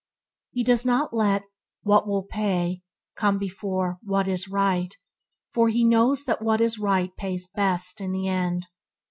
He does not let "what will pay" come before "what is right", for he knows that the right pays best in the end.